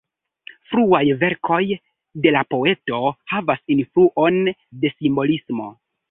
Fruaj verkoj de la poeto havas influon de simbolismo.